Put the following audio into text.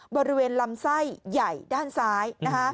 บริเวณลำไส้ใหญ่ด้านซ้าย